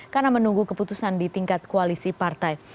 karena menunggu keputusan di tingkat koalisi partai